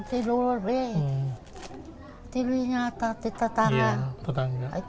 di rumah di rumah tetangga